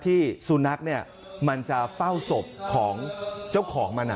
ที่สุนัขมันจะเฝ้าศพของเจ้าของมัน